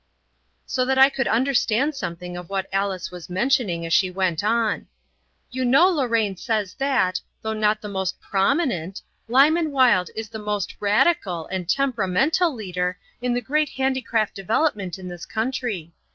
So that I could understand something of what Alice was mentioning as she went on: "You know Lorraine says that, though not the most PROMINENT, Lyman Wilde is the most RADICAL and TEMPERAMENTAL leader in the great handicraft development in this country.